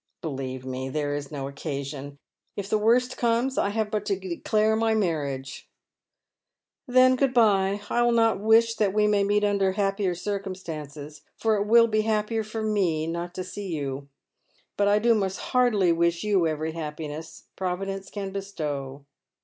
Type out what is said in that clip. " Believe me, there is no occasion. If the worst comes I have but to declare my maniage." " Then good bye. I will not wish that we may meet under happier circumstances, for it will be happier for me not to see you. But I do most heartily wish you every happiness Provi dence can bestow."